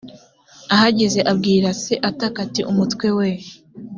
ahageze abwira se ataka ati umutwe we